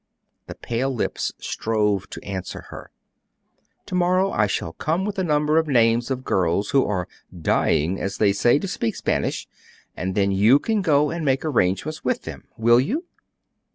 The pale lips strove to answer her. "To morrow I shall come with a number of names of girls who are 'dying,' as they say, to speak Spanish, and then you can go and make arrangements with them. Will you?"